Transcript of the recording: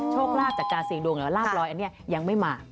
โชคลาภจากการสีดวงแล้วลาบรอยอันนี้ยังไม่มา